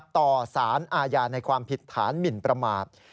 ต่อสารอาญาในความผิดฐานหมินประมาท